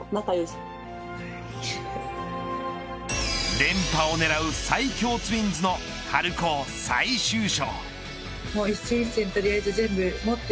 連覇を狙う最強ツインズの春高最終章。